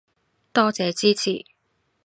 多謝支持